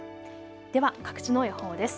では各地の予報です。